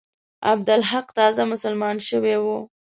عبدالحق تازه مسلمان شوی وو.